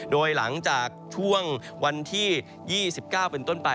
โดยหลังจากช่วงวันที่๒๙เป็นต้นไป